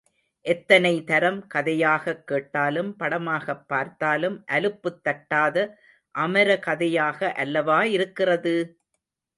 எத்தனை தரம் கதையாகக் கேட்டாலும், படமாகப் பார்த்தாலும் அலுப்புத் தட்டாத அமர கதையாக அல்லவா இருக்கிறது!